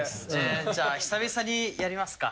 じゃあ久々にやりますか。